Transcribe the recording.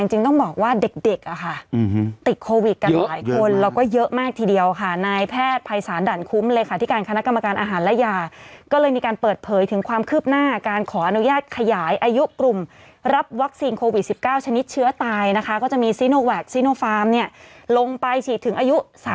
เช่นเดียวกับการแปรรูปแล้วก็สกัดคราวนี้ก็อ้าวอีกหน่อย